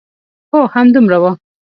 هو، همدومره و.